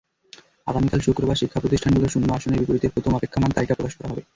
আগামীকাল শুক্রবার শিক্ষাপ্রতিষ্ঠানগুলোর শূন্য আসনের বিপরীতে প্রথম অপেক্ষমাণ তালিকা প্রকাশ করা হবে।